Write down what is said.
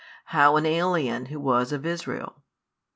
how an alien Who was of Israel?